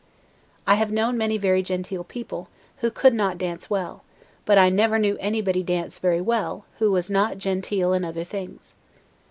I have known many very genteel people, who could not dance well; but I never knew anybody dance very well, who was not genteel in other things.